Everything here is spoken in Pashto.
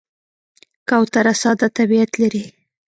کوتره ساده طبیعت لري.